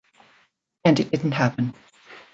And it didn't happen.